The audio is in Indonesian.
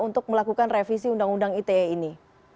untuk melakukan revisi undang undang ite ini